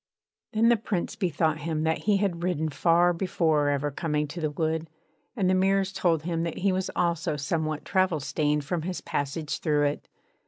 Then the Prince bethought him that he had ridden far before ever coming to the wood; and the mirrors told him that he was also somewhat travel stained from his passage through it.